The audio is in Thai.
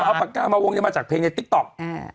เอาปากกามาวงมาจากเพลงในติ๊กต๊อก